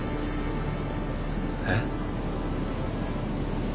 えっ？